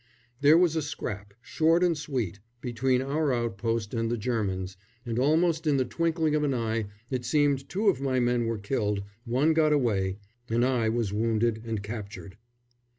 There was a scrap, short and sweet, between our outpost and the Germans, and almost in the twinkling of an eye, it seemed, two of my men were killed, one got away, and I was wounded and captured.